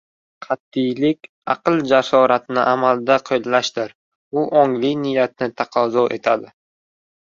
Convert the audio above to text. Qat’iylik aql jasoratini amalda qo‘llashdir, u ongli niyatni taqozo etadi.